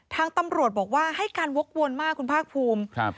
ทางตำรวจบอกว่าให้การวกวนมากคุณภาคภูมิครับ